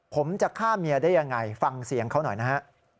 ผมจะฆ่าเมียได้ยังไงฟังเสียงเขาหน่อยนะฮะ